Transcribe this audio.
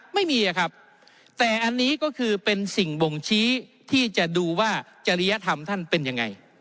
ไม่มีครับแต่อันนี้ก็คือเป็นสิ่งบ่งชี้ที่จะดูว่าจริยธรรมท่านเป็นยังไง